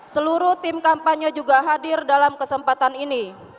seluruh tim kampanye juga hadir dalam kesempatan ini